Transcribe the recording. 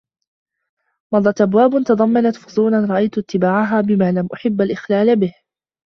مَضَتْ أَبْوَابٌ تَضَمَّنَتْ فُصُولًا رَأَيْتُ إتْبَاعَهَا بِمَا لَمْ أُحِبَّ الْإِخْلَالَ بِهِ